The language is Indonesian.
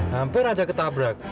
hampir aja ketabrak